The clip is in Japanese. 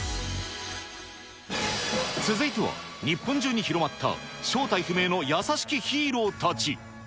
続いては日本中に広まった正体不明の優しきヒーローたち。